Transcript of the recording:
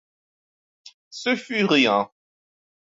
Ce fut rien.